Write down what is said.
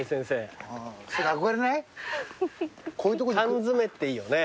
缶詰めっていいよね。